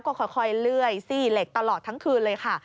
ก็ค่อยเลื่อยซี่เหล็กตลอดทั้งคืนเลยค่ะ